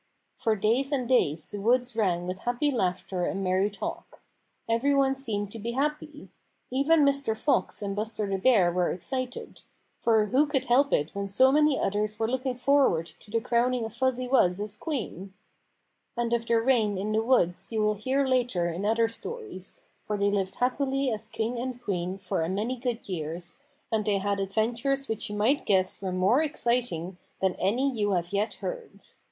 For days and days the woods rang with happy laughter and merry talk. Every one seemed to be happy. Even Mr. Fox and Buster the Bear were excited, for who could help it when so many 112 Bumper Makes Fuzzy Wuzz Queen others were looking forward to the crowning of Fuzzy Wuzz as queen? And of their reign in the woods you will hear later in other stories, for they lived happily as king and queen for a good many years, and they had adventures which you might guess were more exciting than any you have yet heard.